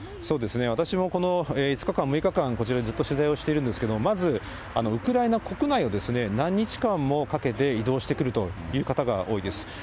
そうですね、私もこの５日間、６日間、こちらでずっと取材しているんですけれども、まず、ウクライナ国内を何日間もかけて、移動してくるという方が多いです。